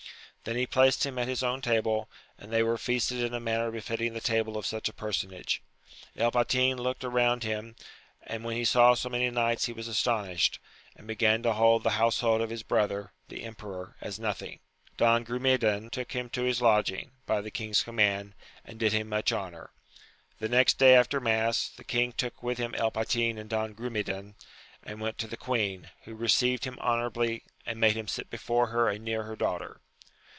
Then he placed him at his own table, and they were feasted in a manner befitting the table of such a personage. El Patin looked round him, and when he saw so many knights he was astonished, and began to hold the household of his brother, the emperor, as nothing. Don Gru medan took him to his lodging, by the king's com mand, and did him much honour. The next day after mass, the king took with him El Patin and Don Gi'umedan, and went to the queen, who received him AMADIS OF GAUL 275 honourably, and made him sit before her and near her daughter.